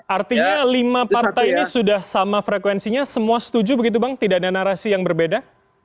artinya lima partai ini sudah sama frekuensinya semua setuju begitu bang tidak ada narasi yang berbeda